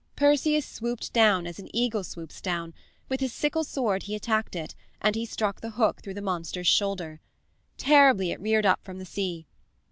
Perseus swooped down as an eagle swoops down; with his sickle sword he attacked it, and he struck the hook through the monster's shoulder. Terribly it reared up from the sea.